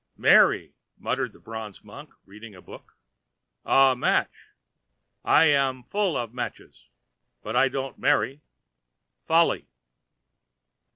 "Marry!" muttered the bronze Monk reading a book. "A match! I am full of matches, but I don't marry. Folly!"